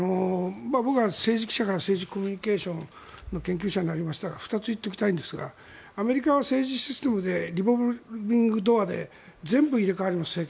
僕は政治記者から政治コミュニケーションの研究者になりましたが２つ言っておきたいんですがアメリカは政治システムでリボルビングドアで全部入れ替わります